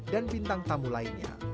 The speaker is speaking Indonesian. dan bintang tamu lainnya